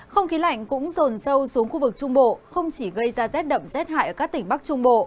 không khí lạnh cũng rồn sâu xuống khu vực trung bộ không chỉ gây ra rét đậm rét hại ở các tỉnh bắc trung bộ